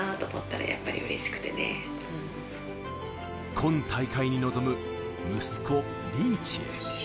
今大会に臨む息子・リーチへ。